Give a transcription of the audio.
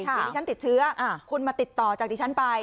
อย่างที่ฉันติดเชื้อคุณมาติดต่อจากที่ฉันไป